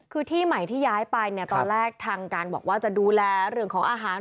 คือที่ใหม่ที่ย้ายไปเนี่ยตอนแรกทางการบอกว่าจะดูแลเรื่องของอาหาร